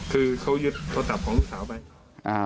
คือเขายึดโทรศัพท์ของลูกสาวไปอ่า